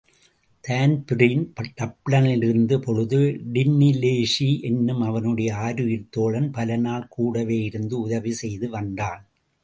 Dan Breen டப்ளினிலிருந்த பொழுது டின்னிலேஸி என்னும் அவனுடைய ஆருயிர்த் தோழன் பலநாள் கூடவேயிருந்து உதவி செய்து வந்தான்.